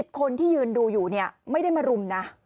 คนที่ยืนดูอยู่ไม่ได้มารุมนะ